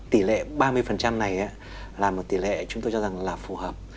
tỷ lệ ba mươi này là một tỷ lệ chúng tôi cho rằng là phù hợp